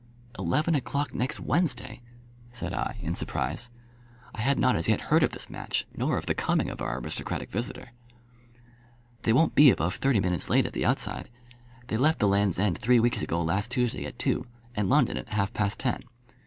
"Eleven o'clock next Wednesday," said I, in surprise. I had not as yet heard of this match, nor of the coming of our aristocratic visitor. "They won't be above thirty minutes late at the outside. They left the Land's End three weeks ago last Tuesday at two, and London at half past ten.